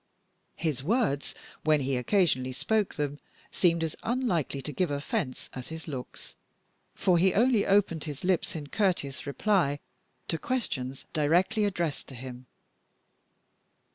His words, when he occasionally spoke, seemed as unlikely to give offense as his looks; for he only opened his lips in courteous reply to questions directly addressed to him.